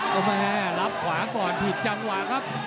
ก็แม่รับขวาก่อนผิดจังหวะครับ